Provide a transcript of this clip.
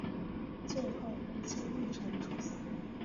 最后被金日成处死。